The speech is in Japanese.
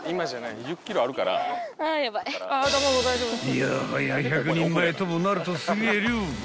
［いやはや１００人前ともなるとすげえ量］